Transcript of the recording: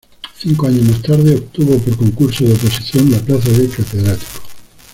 Cinco años más tarde obtuvo por concurso de oposición la plaza de catedrático.